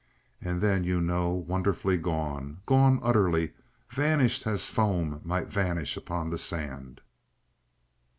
.. And then you know, wonderfully gone—gone utterly, vanished as foam might vanish upon the sand.